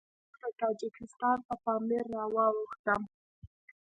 بيا پسته د تاجکستان په پامير راواوښتم.